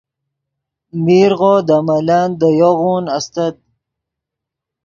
میرغو دے ملن دے یوغون استت